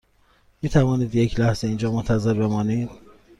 می توانید یک لحظه اینجا منتظر بمانید؟